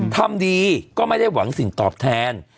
ทำดีก็ไม่ได้หวังสิ่งตอบแทน